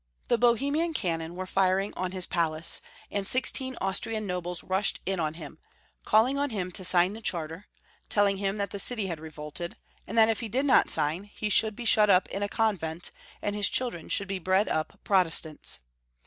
The Bohemian cannon were firing on his palace, and sixteen Austrian nobles rushed in on him, calling on him to sign the charter, telling him that the city had revolted, and that if he did not sign he should be shut up in a convent, and Ids children should be bred up Protestants.